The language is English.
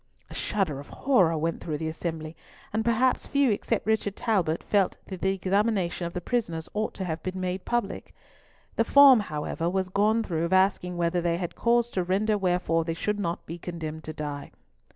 A shudder of horror went through the assembly, and perhaps few except Richard Talbot felt that the examination of the prisoners ought to have been public. The form, however, was gone through of asking whether they had cause to render wherefore they should not be condemned to die.